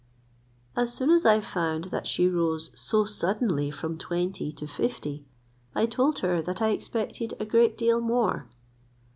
As soon as I found that she rose so suddenly from twenty to fifty, I told her that I expected a great deal more.